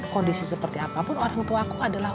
kondisi seperti apapun orang tuaku adalah